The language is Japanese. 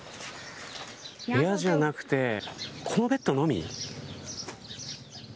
部屋じゃなくてこのベッドのみ。